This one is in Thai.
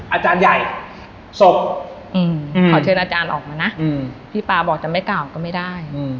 อาจารย์ใหญ่ศพขอเชิญอาจารย์ออกมานะพี่ป๊าบอกจะไม่กล่าวก็ไม่ได้